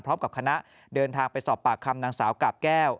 พร้อมกับคณะเดินทางไปสอบปากคำนางสาวกาบแก้ว